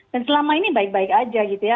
dan selama ini baik baik aja gitu ya